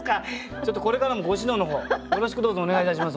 ちょっとこれからもご指導の方よろしくどうぞお願いいたします